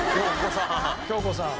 京子さん。